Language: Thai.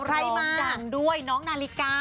ใครมาร้องดังด้วยน้องนาลิกา